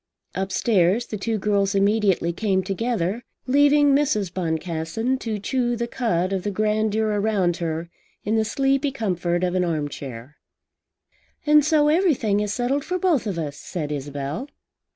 Upstairs the two girls immediately came together, leaving Mrs. Boncassen to chew the cud of the grandeur around her in the sleepy comfort of an arm chair. "And so everything is settled for both of us," said Isabel.